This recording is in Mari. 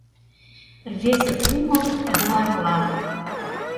Рвезе кумыл юарла